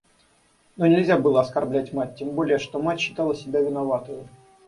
Но нельзя было оскорблять мать, тем более что мать считала себя виноватою.